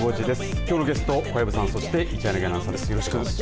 きょうのゲストは小籔さんそして一柳アナウンサーです。